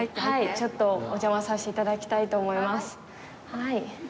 ちょっとお邪魔させて頂きたいと思います。